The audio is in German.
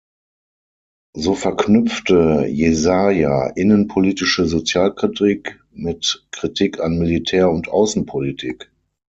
So verknüpfte Jesaja innenpolitische Sozialkritik mit Kritik an Militär- und Außenpolitik.